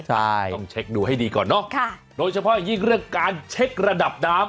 ใช่ต้องเช็คดูให้ดีก่อนเนอะค่ะโดยเฉพาะอย่างยิ่งเรื่องการเช็คระดับน้ำ